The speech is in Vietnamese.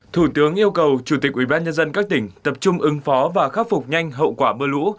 thủ tướng yêu cầu chủ tịch ubnd các tỉnh tập trung ứng phó và khắc phục nhanh hậu quả mưa lũ